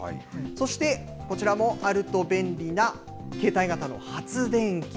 そしてこちらもあると便利な、携帯型の発電機。